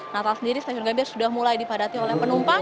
natal sendiri stasiun gambir sudah mulai dipadati oleh penumpang